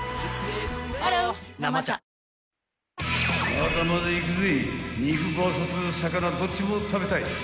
［まだまだいくぜ］